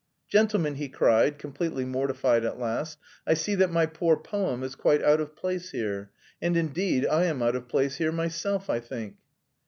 "Gentlemen," he cried, completely mortified at last, "I see that my poor poem is quite out of place here. And, indeed, I am out of place here myself, I think."